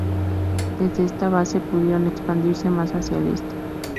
Desde esta base, pudieron expandirse más hacia el este.